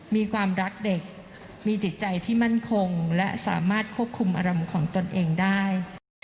มีความรักเด็กมีจิตใจที่มั่นคงและสามารถควบคุมอารมณ์ของตนเองได้